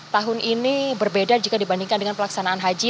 tahun ini berbeda jika dibandingkan dengan pelaksanaan haji